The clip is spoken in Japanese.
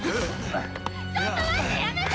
ちょっと待って！